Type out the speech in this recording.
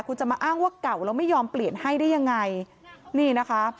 คุณจะมาอ้างว่าเก่าแล้วไม่ยอมเปลี่ยนให้ได้ยังไงนี่นะคะ